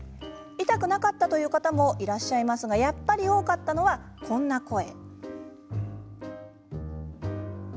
痛くなかったという人もいらっしゃいますがやっぱり多かったのはこんな声。